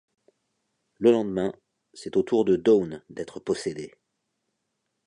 Le lendemain, c'est au tour de Dawn d'être possédée.